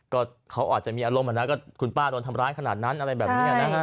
ก็เขาอาจจะมีอารมณ์อะนะก็คุณป้าโดนทำร้ายขนาดนั้นอะไรแบบนี้นะฮะ